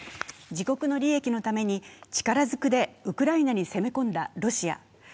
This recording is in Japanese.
自国の利益のために力ずくでウクライナに攻め込んだロシア。